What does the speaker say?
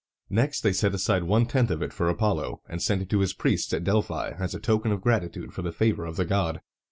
Next they set aside one tenth of it for Apollo, and sent it to his priests at Delphi as a token of gratitude for the favor of the god.